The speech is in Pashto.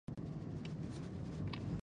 د انګریز سفارتخانې ته مې پناه یووړه.